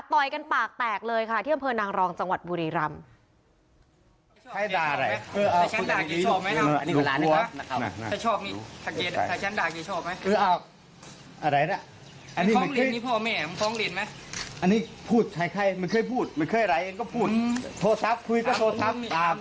ต่อยกันปากแตกเลยค่ะที่อำเภอนางรองจังหวัดบุรีรำ